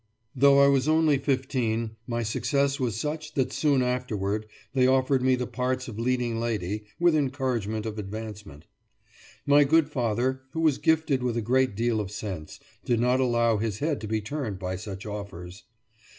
Though I was only fifteen my success was such that soon afterward they offered me the parts of leading lady with encouragement of advancement. My good father, who was gifted with a great deal of sense, did not allow his head to be turned by such offers.